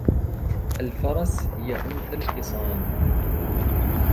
الفرس هي أنثى الحصان